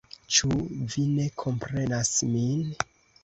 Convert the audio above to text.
Ĉu vi ne komprenas min?